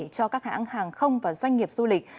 cho các hãng hàng không và doanh nghiệp du lịch